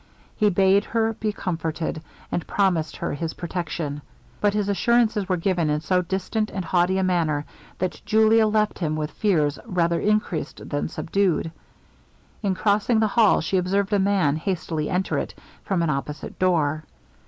He bade her be comforted, and promised her his protection; but his assurances were given in so distant and haughty a manner, that Julia left him with fears rather increased than subdued. In crossing the hall, she observed a man hastily enter it, from an opposite door.